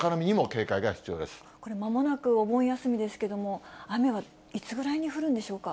これ、まもなくお盆休みですけれども、雨はいつぐらいに降るんでしょうか。